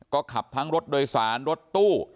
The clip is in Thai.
ก็ขับทั้งรถโดยสารรถตู้